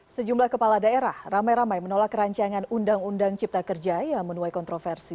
sejumlah kepala daerah ramai ramai menolak rancangan undang undang cipta kerja yang menuai kontroversi